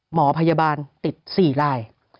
หมอพยาบาลติด๔ลาย